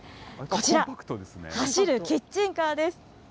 こちら、走るキッチンカーです。